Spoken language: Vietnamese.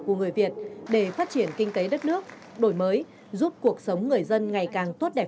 của những tấm gương học bác